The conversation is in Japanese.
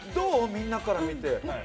みんなから見て。